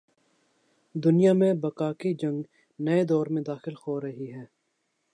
دنیا میں بقا کی جنگ نئے دور میں داخل ہو رہی ہے۔